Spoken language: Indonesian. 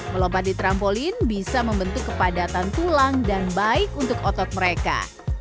melompat di trampolin bisa membentuk kepadatan tulang dan baik untuk otot mereka